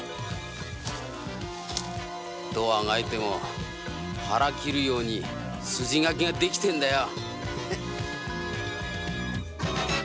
どうあがいても腹を切るように筋書きが出来てるんだよ。